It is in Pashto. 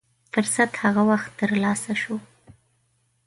فرصت هغه وخت تر لاسه شو.